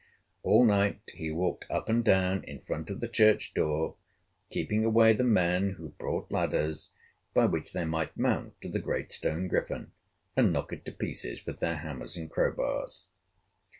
All night he walked up and down in front of the church door, keeping away the men who brought ladders, by which they might mount to the great stone griffin, and knock it to pieces with their hammers and crowbars.